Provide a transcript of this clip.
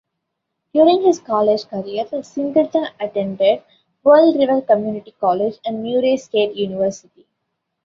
During his college career, Singleton attended Pearl River Community College and Murray State University.